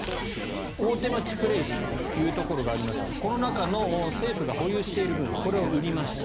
大手町プレイスというところがありますがこの中の政府が保有している分これを売りました。